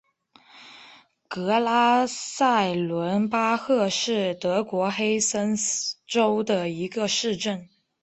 格拉塞伦巴赫是德国黑森州的一个市镇。